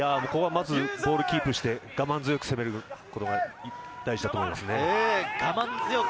ボールをキープして、我慢強く攻めることが大事だと思います。